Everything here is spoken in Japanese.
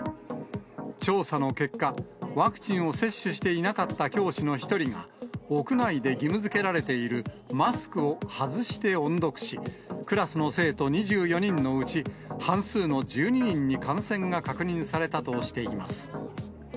調査の結果、ワクチンを接種していなかった教師の１人が、屋内で義務づけられているマスクを外して音読し、クラスの生徒２４人のうち、半数の１２人に感染が確認されたとしています。